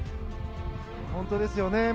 本当ですよね。